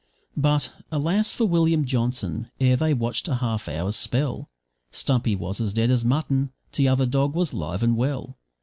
But, alas for William Johnson! ere they'd watched a half hour's spell Stumpy was as dead as mutton, t'other dog was live and well.